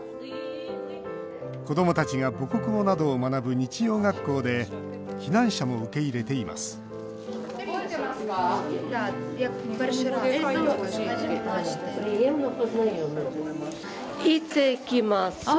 子どもたちが母国語などを学ぶ日曜学校で避難者も受け入れていますいってきます。